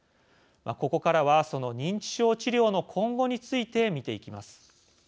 ここからは、その認知症治療の今後について見ていきます。